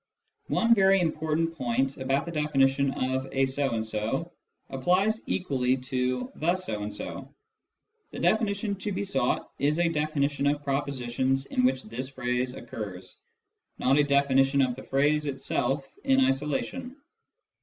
One very important point about the definition of " a so and so " ['applies equally to " the so and so "; the definition to be sought j is a definition of propositions in which this phrase occurs, not a [ definition of the phrase itself in isolation.